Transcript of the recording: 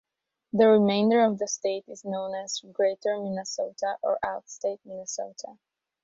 The remainder of the state is known as "Greater Minnesota" or "Outstate Minnesota".